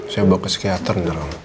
saya bawa ke psikiaterin dong